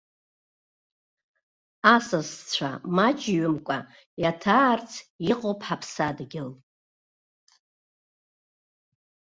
Асасцәа маҷҩымкәа иаҭаарц иҟоуп ҳаԥсадгьыл.